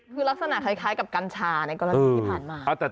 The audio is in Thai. คือลักษณะคล้ายกับกัญชาในกรณีที่ผ่านมา